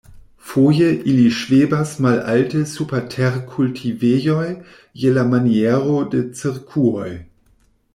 Foje ili ŝvebas malalte super terkultivejoj je la maniero de cirkuoj.